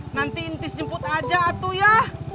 nanti intis jemput aja atu ya